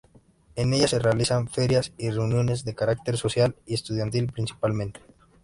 En ella se realizan ferias y reuniones de carácter social y estudiantil, principalmente.